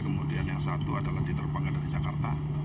kemudian yang satu adalah diterbangkan dari jakarta